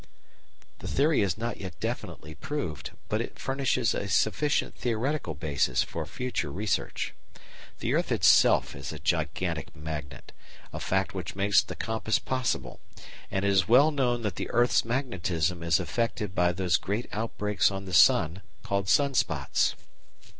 This theory is not yet definitely proved, but it furnishes a sufficient theoretical basis for future research. The earth itself is a gigantic magnet, a fact which makes the compass possible, and it is well known that the earth's magnetism is affected by those great outbreaks on the sun called sun spots.